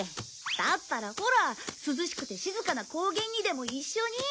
だったらほら涼しくて静かな高原にでも一緒に。